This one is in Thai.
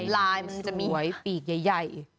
ลายสวยปีกใหญ่